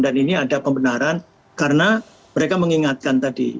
dan ini ada kebenaran karena mereka mengingatkan tadi